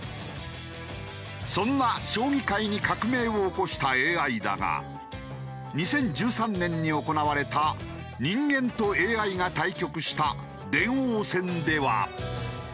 そんな将棋界に革命を起こしたＡＩだが２０１３年に行われた人間とＡＩが対局した電王戦では。